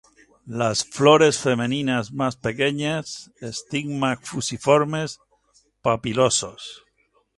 Las flores femeninas más pequeñas, estigmas fusiformes, papilosos.